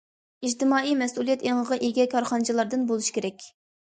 ئىجتىمائىي مەسئۇلىيەت ئېڭىغا ئىگە كارخانىچىلاردىن بولۇش كېرەك.